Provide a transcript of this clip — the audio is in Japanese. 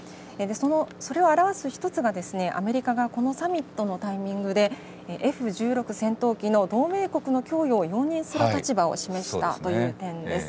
それを表す一つが、アメリカがこのサミットのタイミングで、Ｆ１６戦闘機の同盟国の供与を容認する立場を示したという点です。